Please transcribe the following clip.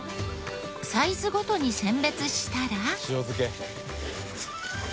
サイズごとに選別したら。